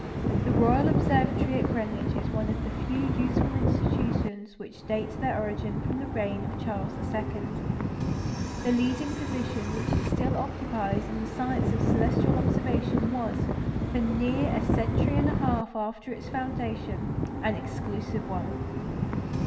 The Royal Observatory at Greenwich is one of the few useful institutions which date their origin from the reign of Charles II. The leading position which it still occupies in the science of celestial observation was, for near a century and a half after its foundation, an exclusive one.